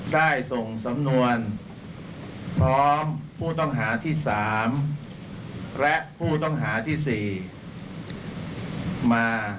ได้ส่งสำนวนพร้อมผู้ต้องหาที่๓และผู้ต้องหาที่๔มา